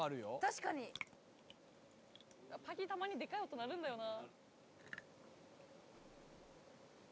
確かにパキッたまにでかい音鳴るんだよな